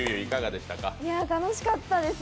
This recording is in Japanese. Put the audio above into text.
楽しかったです